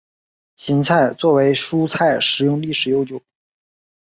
芹菜作为蔬菜食用历史悠久。